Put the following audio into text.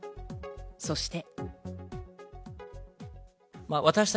そして。